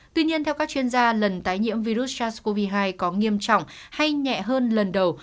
tuy nhiên theo các chuyên gia lần tái nhiễm virus sars cov hai có nghiêm trọng hay nhẹ hơn lần đầu